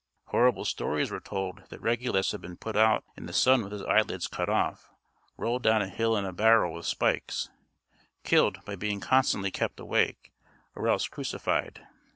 Horrible stories were told that Regulus had been put out in the sun with his eyelids cut off, rolled down a hill in a barrel with spikes, killed by being constantly kept awake, or else crucified.